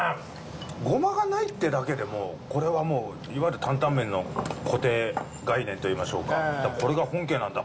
ゴマがないってだけでコレはもういわゆる「担々麺の固定概念」と言いましょうか「コレが本家なんだ」